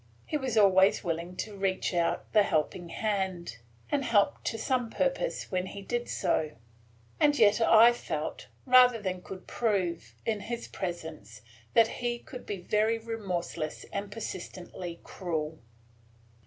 He was always willing to reach out the helping hand, and helped to some purpose when he did so; and yet I felt, rather than could prove, in his presence, that he could be very remorseless and persistently cruel.